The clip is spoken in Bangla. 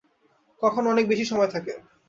কখনো অনেক বেশি সময় থাকে।